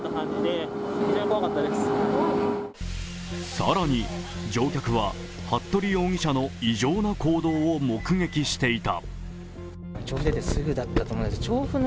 更に乗客は服部容疑者の異常な行動を目撃していた。